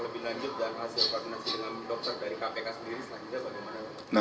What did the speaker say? kita lanjut dan hasil koordinasi dengan dokter dari kpk sendiri